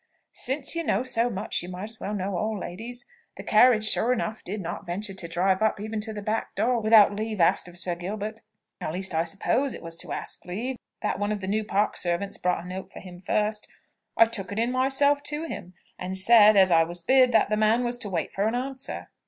"Since you know so much, you may as well know all, ladies. The carriage, sure enough, did not venture to drive up even to the back door without leave asked of Sir Gilbert; at least I suppose it was to ask leave, that one of the new Park servants brought a note for him first. I took it in myself to him, and said, as I was bid, that the man was to wait for an answer.